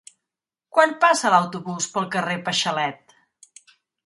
Quan passa l'autobús pel carrer Paixalet?